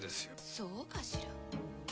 そうかしら？